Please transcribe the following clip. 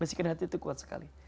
bisikan hati tuh kuat sekali